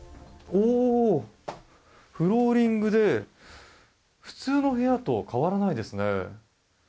フローリングで普通の部屋と変わらないですね。